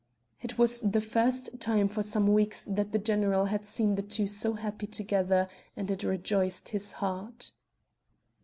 It was the first time for some weeks that the general had seen the two so happy together and it rejoiced his heart.